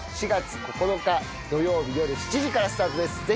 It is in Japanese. ４月９日土曜日夜７時からスタートです。